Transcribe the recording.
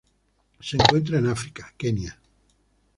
Se encuentran en África: Kenia.